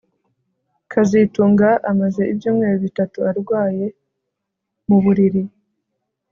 kazitunga amaze ibyumweru bitatu arwaye mu buriri